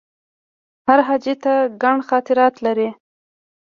هر حاجي ته ګڼ خاطرات لري.